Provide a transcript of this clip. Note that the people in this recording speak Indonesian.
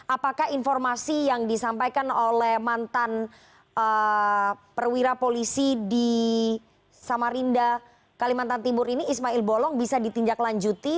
apakah informasi yang disampaikan oleh mantan perwira polisi di samarinda kalimantan timur ini ismail bolong bisa ditinjak lanjuti